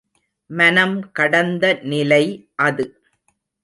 மனம் கடந்த நிலை அது.